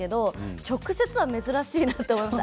直接は珍しいなと思いますね。